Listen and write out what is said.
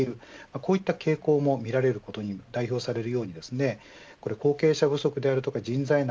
こういった傾向もみられることに代表されるように後継者不足や人材難